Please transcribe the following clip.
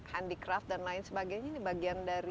handicraft dan lain sebagainya ini bagian dari